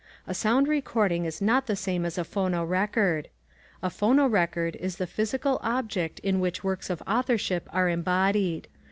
A sound recording is not the same as a phonorecord. A phonorecord is the physical object in which works of authorship are embodied.